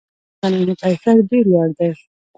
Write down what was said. د غنمو کیفیت ډیر لوړ دی.